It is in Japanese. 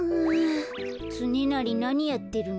つねなりなにやってるの？